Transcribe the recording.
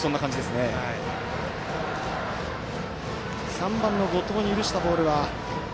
３番の後藤に許したボールは。